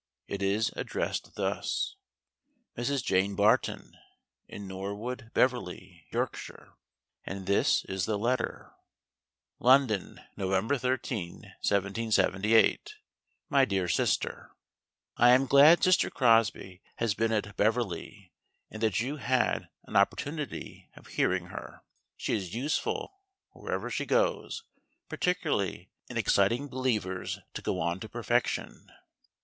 It is addressed thus: "MRS. JANE BARTON, "IN NORWOOD, BEVERLEY, "YORKSHIRE." And this is the letter: [Illustration: Letter] London Nov. 13, 1778 My Dear Sister I am glad Sister Crosby has been at Beverly, & that you had an Opportunity of hearing her. She is useful wheresoever she goes, particularly in exciting Believers to go on to perfection.